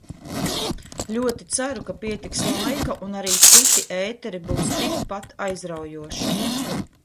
Ļoti ceru, ka pietiks laika un arī citi ēteri būs tik pat aizraujoši!